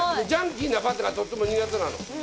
ジャンキーなパテがとても苦手なの。